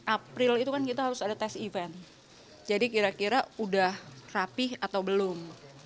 april itu kan kita harus ada tes event jadi kira kira udah rapih atau belum